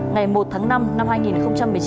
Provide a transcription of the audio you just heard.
ngày một tháng năm năm hai nghìn một mươi chín